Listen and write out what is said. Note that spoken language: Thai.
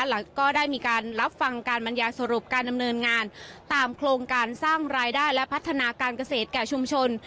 แล้วก็ได้มีการรับฟังการบรรยาสรุปการดำเนินงานตามโครงการสร้างรายได้และพัฒนาการเกษตรแก่ชุมชน